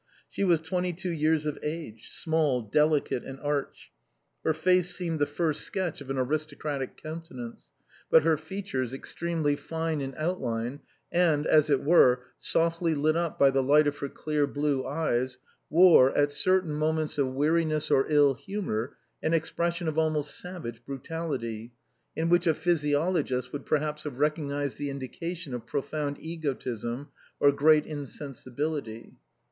She was twenty two years of age, small, delicate, and arch. Her face seemed the first sketch of an aristocratic countenance, but her features, ex tremely fine in outline, and as it were, softly lit up by the light of her clear blue eyes, wore, at certain moments of weariness or ill humor, an expression of almost savage brutality, in which a physiologist would perhaps have rec ognized the indication of profound egotism or great in sensibility.